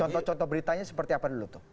contoh contoh beritanya seperti apa dulu tuh